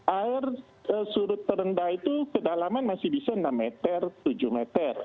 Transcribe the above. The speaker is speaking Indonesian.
air surut terendah itu kedalaman masih bisa enam meter tujuh meter